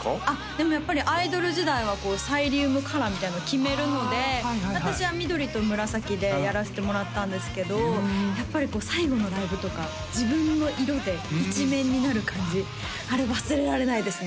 でもやっぱりアイドル時代はサイリウムカラーみたいなのを決めるので私は緑と紫でやらせてもらったんですけどやっぱりこう最後のライブとか自分の色で一面になる感じあれ忘れられないですね